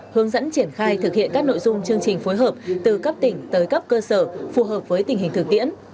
hướng dẫn triển khai thực hiện các nội dung chương trình phối hợp từ cấp tỉnh tới cấp cơ sở phù hợp với tình hình thực tiễn